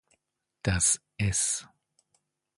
Das S